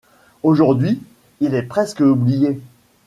Aujourd'hui il est presque oublié.